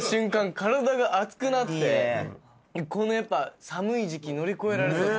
体が熱くなってこのやっぱ寒い時季乗り越えられます